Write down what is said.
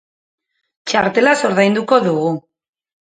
Txartelaz ordainduko dugu.